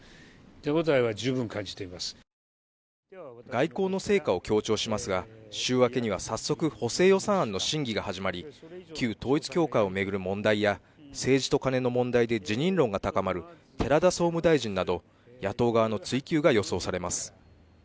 外交の成果を強調しますが週明けには早速補正予算案の審議が始まり、旧統一教会を巡る問題や政治とカネの問題で辞任論が高まる寺田総務大臣など野党側の追及が予想されます。